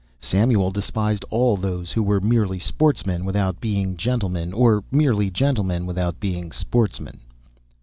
Samuel despised all those who were merely sportsmen without being gentlemen or merely gentlemen without being sportsmen.